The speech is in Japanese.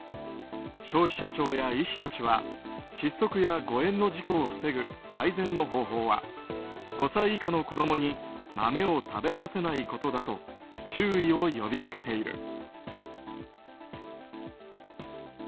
消費者庁や医師たちは窒息や誤嚥の事故を防ぐ最善の方法は５歳以下の子供に豆を食べさせないことだと注意を呼びかけている。